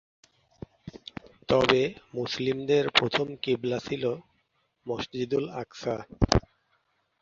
তবে মুসলিমদের প্রথম কিবলা ছিল মসজিদুল আকসা।